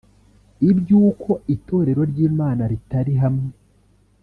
iby’uko Itorero ry’Imana ritari hamwe